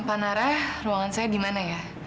pak nara ruangan saya di mana ya